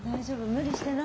無理してない？